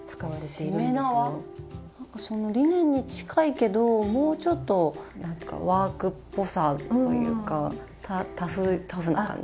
なんかそのリネンに近いけどもうちょっとなんかワークっぽさというかタフな感じ。